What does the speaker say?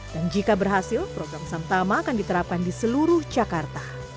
dan jika berhasil program samtama akan diterapkan di seluruh jakarta